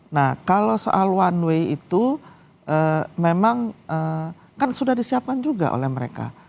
nah kalau soal one way itu memang kan sudah disiapkan juga oleh mereka